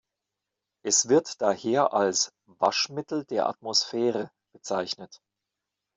Es wird daher als "Waschmittel der Atmosphäre" bezeichnet.